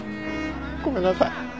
ごめんなさい。